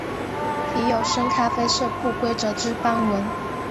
体有深咖啡色不规则之斑纹。